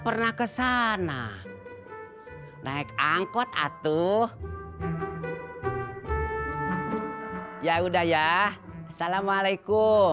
pernah kesana naik angkod account in hai ya udah ya assalamualaikum